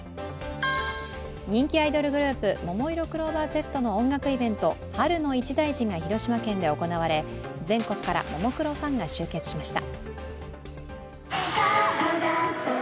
人気アイドルグループももいろクローバーＺの音楽イベント、「春の一大事」が広島県で行われ、全国からももクロファンが集結しました。